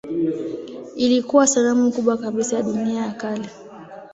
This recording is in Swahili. Ilikuwa sanamu kubwa kabisa ya dunia ya kale.